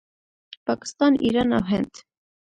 پاکستان، ایران او هند